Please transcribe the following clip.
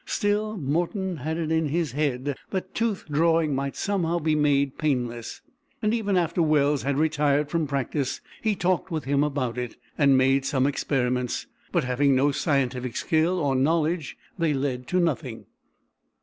Still, Morton had it in his head that tooth drawing might somehow be made painless, and even after Wells had retired from practice, he talked with him about it, and made some experiments, but, having no scientific skill or knowledge, they led to nothing.